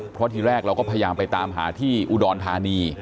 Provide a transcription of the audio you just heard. เพราะทีแรกเราก็พยายามไปตามหาที่อุดรธานี